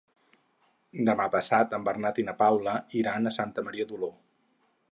Demà passat en Bernat i na Paula iran a Santa Maria d'Oló.